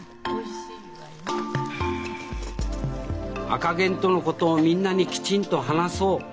赤ゲンとのことをみんなにきちんと話そう。